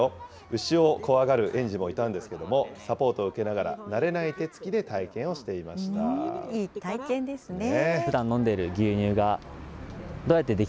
牛を怖がる園児もいたんですけれども、サポートを受けながら、慣れない手つきで体験をしていましいい体験ですね。